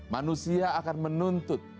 manusia akan menuntut